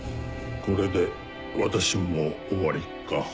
これで私も終わりか。